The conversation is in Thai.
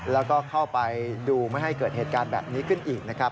แล้วก็เข้าไปดูไม่ให้เกิดเหตุการณ์แบบนี้ขึ้นอีกนะครับ